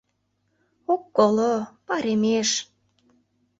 — Ок коло, паремеш...